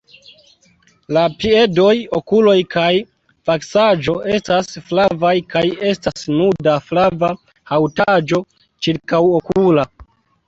La piedoj, okuloj kaj vaksaĵo estas flavaj kaj estas nuda flava haŭtaĵo ĉirkaŭokula.